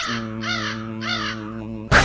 อืมมมมมมมม